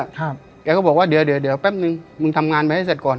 แกก็บอกว่าเดี๋ยวเดี๋ยวเดี๋ยวแป๊บนึงมึงทำงานไปให้เสร็จก่อน